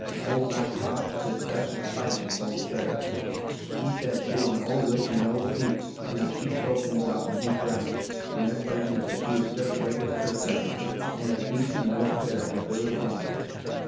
Old Black Hoss hed a special spite agin old Sarah. He said she was an old witch and an old thief, and that she stole things ofPn his grounds, when everybody knew that she was a regerlar church member, and as decent an old critter as there was goin